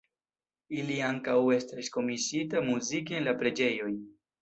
Ili ankaŭ estis komisiita muziki en la preĝejoj.